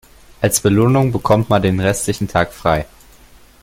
Als Belohnung bekommt man den restlichen Tag frei.